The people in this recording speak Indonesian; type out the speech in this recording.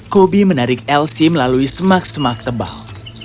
kobi menarik elsie melalui semak semak tebal